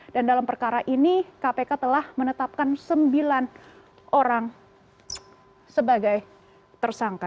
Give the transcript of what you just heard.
dan dalam perkara ini kpk telah menetapkan sembilan orang sebagai tersangka